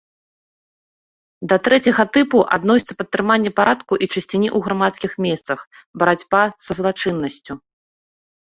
Да трэцяга тыпу адносіцца падтрыманне парадку і чысціні ў грамадскіх месцах, барацьба са злачыннасцю.